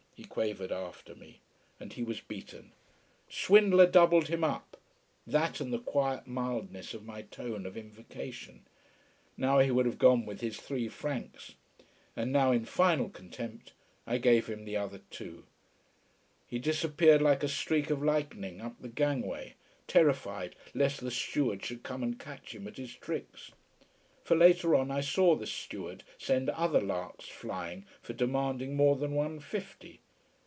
he quavered after me. And he was beaten. "Swindler" doubled him up: that and the quiet mildness of my tone of invocation. Now he would have gone with his three francs. And now, in final contempt, I gave him the other two. He disappeared like a streak of lightning up the gangway, terrified lest the steward should come and catch him at his tricks. For later on I saw the steward send other larks flying for demanding more than one fifty.